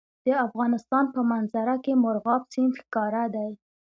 د افغانستان په منظره کې مورغاب سیند ښکاره دی.